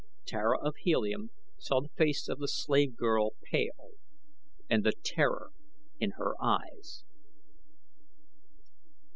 Tara of Helium saw the face of the slave girl pale and the terror in her eyes.